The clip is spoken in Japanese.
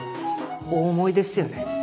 お思いですよね？